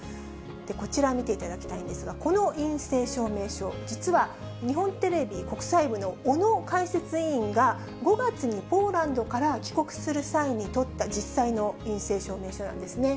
こちら見ていただきたいんですが、この陰性証明書、実は日本テレビ国際部の小野解説委員が、５月にポーランドから帰国する際に取った、実際の陰性証明書なんですね。